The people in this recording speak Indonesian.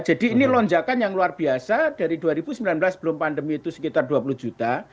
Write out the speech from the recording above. jadi ini lonjakan yang luar biasa dari dua ribu sembilan belas sebelum pandemi itu sekitar dua puluh juta